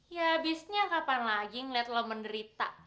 ya abisnya kapan lagi ngeliat lo menderita